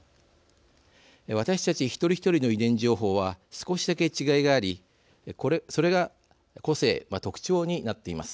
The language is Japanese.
私たち一人一人の遺伝情報は少しだけ違いがありそれが個性特徴になっています。